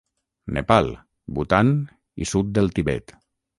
Nepal, Bhutan i sud del Tibet.